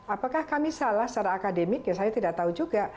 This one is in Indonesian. apakah kami salah secara akademik ya saya tidak tahu juga